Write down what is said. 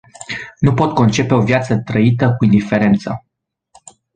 Nu pot concepe o viață trăită cu indiferență.